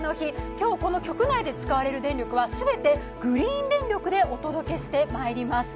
今日、この局内で使われる電力は全てグリーン電力でお届けしてまいります。